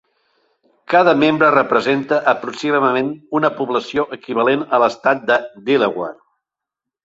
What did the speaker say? Cada membre representa aproximadament una població equivalent a l'estat de Delaware.